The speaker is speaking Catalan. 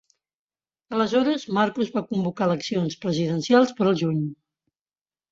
Aleshores, Marcos va convocar eleccions presidencials per al juny.